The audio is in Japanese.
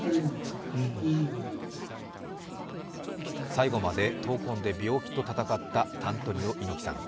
最期まで闘魂で病気と闘ったアントニオ猪木さん。